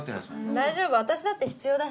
大丈夫私だって必要だし。